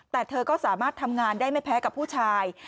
แต่เธอก็สามารถทำงานได้ไม่แพ้กับผู้ชาย